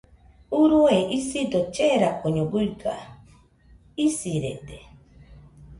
Urue isido cherakoño guiga , isirede.